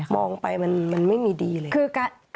มองไปมันไม่มีดีเลย